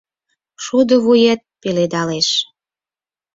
Шудо вует пеледалеш.